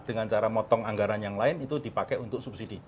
dengan cara motong anggaran yang lain itu dipakai untuk subsidi